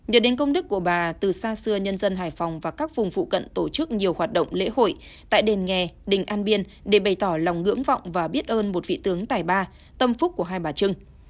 nhờ đến công đức của bà từ xa xưa nhân dân hải phòng và các vùng phụ cận tổ chức nhiều hoạt động lễ hội tại đền nghề đình an biên để bày tỏ lòng ngưỡng vọng và biết ơn một vị tướng tài ba tâm phúc của hai bà trưng